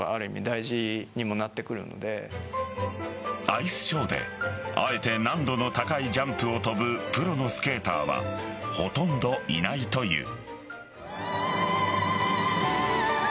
アイスショーであえて難度の高いジャンプを跳ぶプロのスケーターはほとんどいないという。